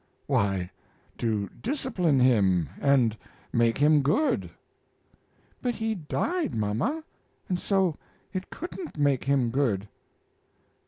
"Why, to discipline him and make him good." "But he died, mama, and so it couldn't make him good."